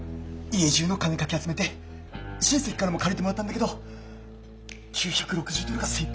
家じゅうの金かき集めて親戚からも借りてもらったんだけど９６０ドルが精いっぱいで。